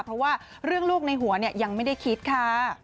เพราะว่าเรื่องลูกในหัวยังไม่ได้คิดค่ะ